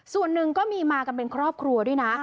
ส่วนหนึ่งก็มีมากันเป็นครอบครัวด้วยนะ